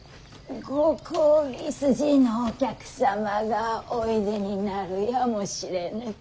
ご公儀筋のお客様がおいでになるやもしれぬと。